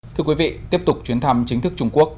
thưa quý vị tiếp tục chuyến thăm chính thức trung quốc